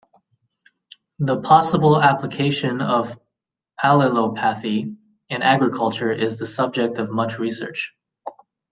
The possible application of allelopathy in agriculture is the subject of much research.